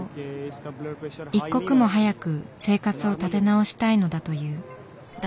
一刻も早く生活を立て直したいのだという。